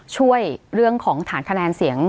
ช่วยเรื่องของฐานคะแนนเสียง